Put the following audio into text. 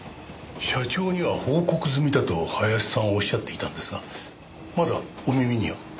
社長には報告済みだと林さんはおっしゃっていたんですがまだお耳には？